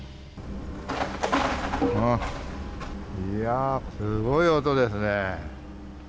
いやー、すごい音ですね。